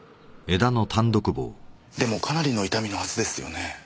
でもかなりの痛みのはずですよね？